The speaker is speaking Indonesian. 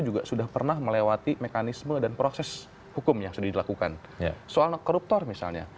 juga sudah pernah melewati mekanisme dan proses hukum yang sudah dilakukan soal koruptor misalnya